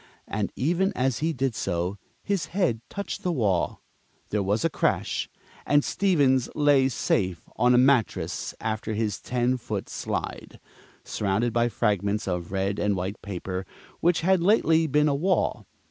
And even as he did so, his head touched the wall, there was a crash, and Stevens lay safe on a mattress after his ten foot slide, surrounded by fragments of red and white paper which had lately been a wall.